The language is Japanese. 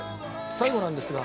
最後なんですが。